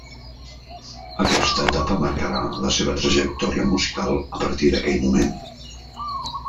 Aquesta etapa marcara la seva trajectòria musical a partir d'aquell moment.